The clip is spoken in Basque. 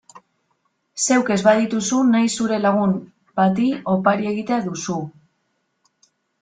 Zeuk ez badituzu nahi zure lagun bati opari egitea duzu.